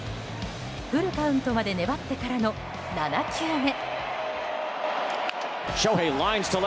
フルカウントまで粘ってからの７球目。